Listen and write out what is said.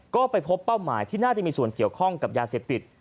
ก็ไปพบเป้าหมายที่น่าจะมีส่วนเกี่ยวข้องกับยาเสพติด